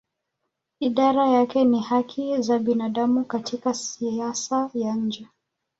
Idara yake ni haki za binadamu katika siasa ya nje.